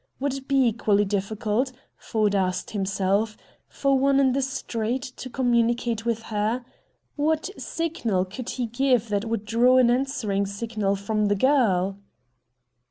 Would it be equally difficult, Ford asked himself, for one in the street to communicate with her? What signal could he give that would draw an answering signal from the girl?